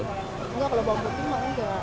enggak kalau bawang putih mah enggak